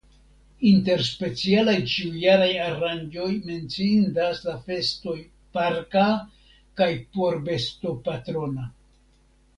Inter specialaj ĉiujaraj aranĝoj menciindas la festoj parka kaj porbestopatrona.